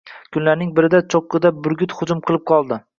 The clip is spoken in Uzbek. Kunlarning birida cho‘qqida burgut hujum qilib qoldi